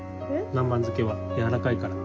南蛮漬けはやわらかいから。